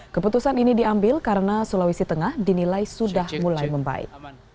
keputusan ini diambil karena sulawesi tengah dinilai sudah mulai membaik